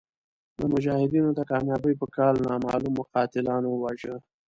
د مجاهدینو د کامیابۍ په کال نامعلومو قاتلانو وواژه.